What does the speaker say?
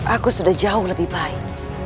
aku sudah jauh lebih baik